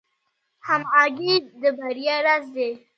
همغږي د بریا راز دی